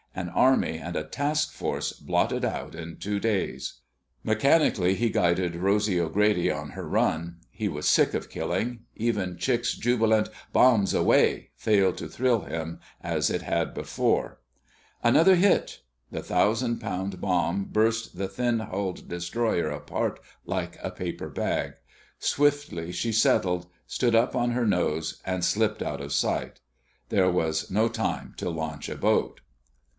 An army and a task force blotted out in two days! Mechanically he guided Rosy O'Grady on her run. He was sick of killing. Even Chick's jubilant, "Bombs away!" failed to thrill him as it had before. Another hit! The thousand pound bomb burst the thin hulled destroyer apart like a paper bag. Swiftly she settled, stood up on her nose, and slipped out of sight. There was no time to launch a boat.